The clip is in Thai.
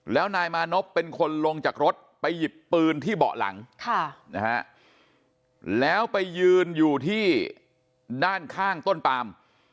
แล้วนายมานพเป็นคนลงจากรถไปหยิบปืนที่เบาะหลังแล้วไปยืนอยู่ที่ด้านข้างต้นปาม